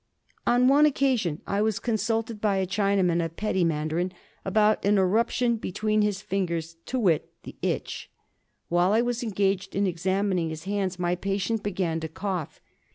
On one occasion I was consulted by a Chinaman, a petty mandarin, about an eruption between his fingers, to wit, the itch. While I was engaged in examining his hands my patient began to cough.